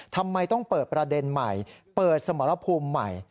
ทำไมต้องเปิดประเด็นใหม่เปิดสมรภูมิใหม่